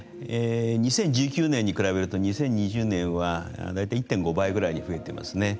２０１９年に比べると２０２０年は大体１．５倍に増えていますね。